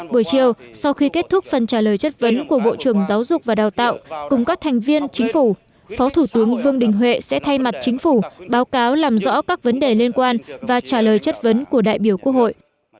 buổi chiều sau khi kết thúc phần trả lời chất vấn của bộ trưởng giáo dục và đào tạo cùng các thành viên chính phủ phó thủ tướng vương đình huệ sẽ thay mặt chính phủ báo cáo làm rõ các vấn đề liên quan và trả lời chất vấn của đại biểu quốc hội